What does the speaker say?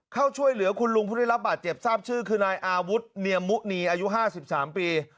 คุณลุงผู้ได้รับบาดเจ็บทราบชื่อคือนายอาวุธเนียมมุ้นีอายุห้าสิบสามปี